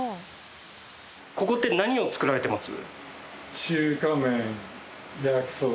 ここって何を作られてます？